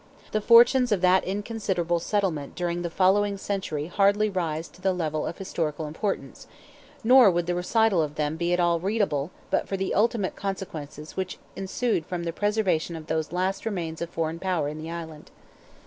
The fortunes of that inconsiderable settlement during the following century hardly rise to the level of historical importance, nor would the recital of them be at all readable but for the ultimate consequences which ensued from the preservation of those last remains of foreign power in the island.